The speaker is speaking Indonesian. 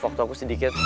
waktu aku sedikit